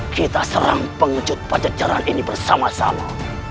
kita serang pengucut pajak jalan ini bersama sama